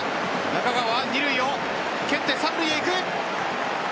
中川は二塁を蹴って三塁へ行く。